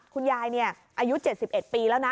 คุณยายอายุ๗๑ปีแล้วนะ